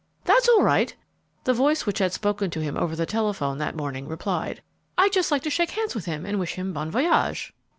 "That's all right," the voice which had spoken to him over the telephone that morning replied. "I'd just like to shake hands with him and wish him bon voyage."